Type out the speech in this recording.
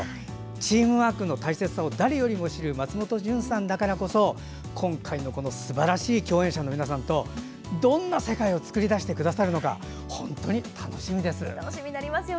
チームワークの大切さを誰よりもよく知る松本潤さんだからこそ今回のすばらしい共演者の皆さんとどんな世界を作り出してくださるのか本当に楽しみです。